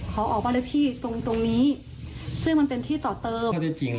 ขอออกบ้านเลขที่ตรงนี้ซึ่งมันเป็นที่ต่อเติม